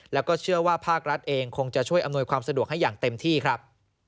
แล้วก็เชื่อว่าภาครัฐเองคงจะช่วยอำนวยความสะดวกให้อย่างเต็มที่ครับ